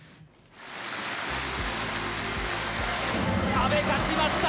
阿部、勝ちました！